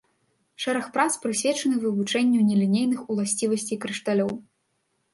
Шэраг прац прысвечаны вывучэнню нелінейных уласцівасцей крышталёў.